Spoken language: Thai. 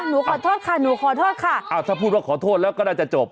หนูขอโทษค่ะถ้าพูดว่าขอโทษแล้วก็ได้จะจบ